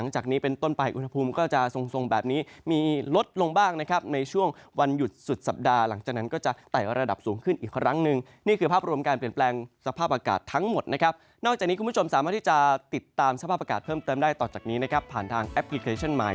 จากนี้เป็นต้นไปอุณหภูมิก็จะทรงแบบนี้มีลดลงบ้างนะครับในช่วงวันหยุดสุดสัปดาห์หลังจากนั้นก็จะไต่ระดับสูงขึ้นอีกครั้งหนึ่งนี่คือภาพรวมการเปลี่ยนแปลงสภาพอากาศทั้งหมดนะครับนอกจากนี้คุณผู้ชมสามารถที่จะติดตามสภาพอากาศเพิ่มเติมได้ต่อจากนี้นะครับผ่านทางแอปพลิเคชันมาย